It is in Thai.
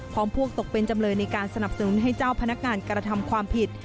พวกตกเป็นจำเลยในการสนับสนุนให้เจ้าพนักงานกระทำความผิด